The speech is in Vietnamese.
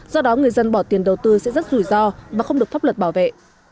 do đó người dân bỏ tiền đầu tư sẽ rất rủi ro và không được pháp luật bảo vệ